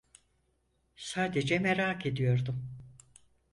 Sadece merak ediyordum.